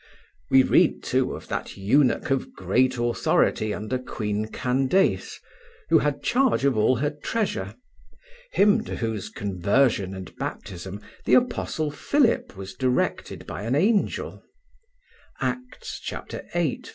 We read, too, of that eunuch of great authority under Queen Candace who had charge of all her treasure, him to whose conversion and baptism the apostle Philip was directed by an angel (Acts viii, 27).